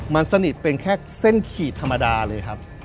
มันสนิทเป็นแค่เส้นขีดธรรมดาเลยครับ